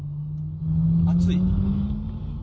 熱い。